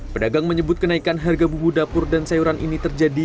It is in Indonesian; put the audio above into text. pedagang menyebut kenaikan harga bumbu dapur dan sayuran ini terjadi